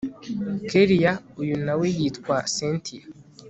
kellia uyu nawe yitwa cyntia